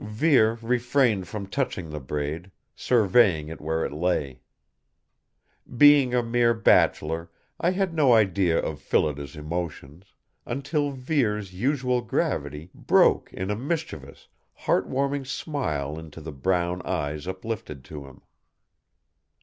Vere refrained from touching the braid, surveying it where it lay. Being a mere bachelor, I had no idea of Phillida's emotions, until Vere's usual gravity broke in a mischievous, heart warming smile into the brown eyes uplifted to him.